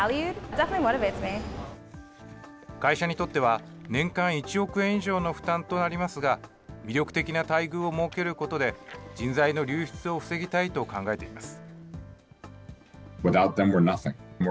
会社にとっては、年間１億円以上の負担となりますが、魅力的な待遇を設けることで、人材の流出を防ぎたいと考えています。